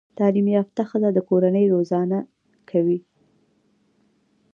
تعليم يافته ښځه د کورنۍ روزانه کوي